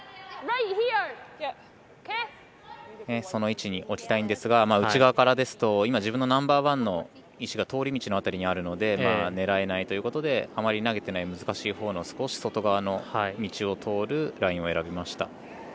その位置に置きたいんですが内側からですと今、自分のナンバーワンの石が通り道のところにあるので狙えないということであまり投げていない難しいほうに少し外側の道を通るラインを選びました。